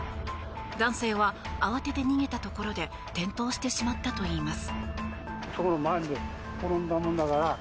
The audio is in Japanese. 男性は慌てて逃げたところで転倒してしまったといいます。